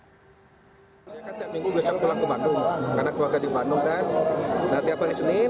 saya kan tiap minggu besok pulang ke bandung karena keluarga di bandung kan